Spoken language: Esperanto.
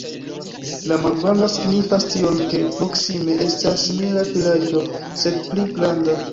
La malgranda signifas tion, ke proksime estas simila vilaĝo, sed pli granda.